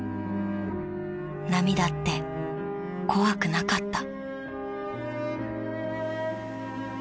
［波だって怖くなかった］